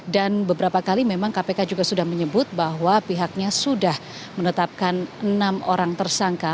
dan beberapa kali memang kpk juga sudah menyebut bahwa pihaknya sudah menetapkan enam orang tersangka